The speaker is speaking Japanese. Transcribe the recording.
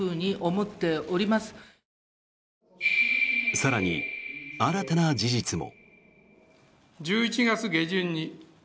更に、新たな事実も。